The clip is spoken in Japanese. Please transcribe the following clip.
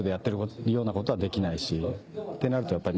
ってなるとやっぱ。